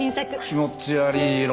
気持ち悪い色。